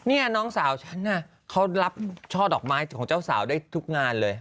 นี่น้องสาวฉันเขารับช่อดอกไม้ของเจ้าสาวได้ทุกงานเลย